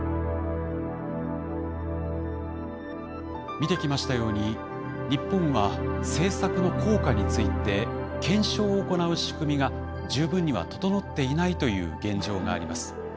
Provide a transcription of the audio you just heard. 見てきましたように日本は政策の効果について検証を行う仕組みが十分には整っていないという現状があります。